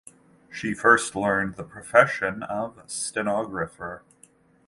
She first learned the profession of stenographer.